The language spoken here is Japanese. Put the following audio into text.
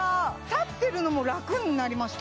立ってるのもラクになりました